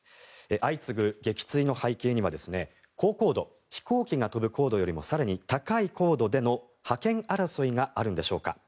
相次ぐ撃墜の背景には高高度、飛行機が飛ぶ高度よりも更に高い高度での覇権争いがあるんでしょうか。